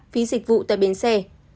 phí dịch vụ tại biến xe